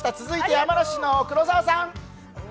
続いて山梨の黒澤さん。